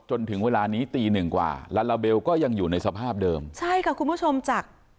จนถึงเวลานี้ตีหนึ่งกว่าลาลาเบลก็ยังอยู่ในสภาพเดิมใช่ค่ะคุณผู้ชมจาก